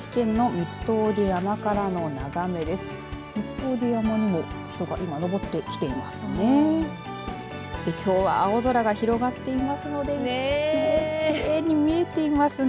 三ツ峠山にも人が登ってきていますね。